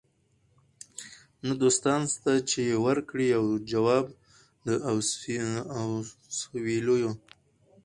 نه دوستان سته چي یې ورکړي یو جواب د اسوېلیو